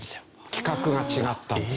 規格が違ったんですよ。